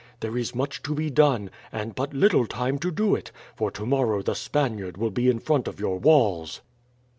There is much to be done, and but little time to do it, for tomorrow the Spaniard will be in front of your walls."